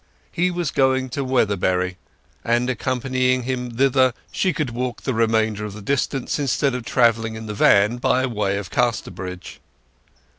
He was going to Weatherbury, and by accompanying him thither she could walk the remainder of the distance instead of travelling in the van by way of Casterbridge.